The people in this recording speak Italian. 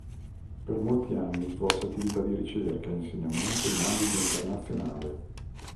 Per molti anni svolse attività di ricerca e insegnamento in ambito internazionale.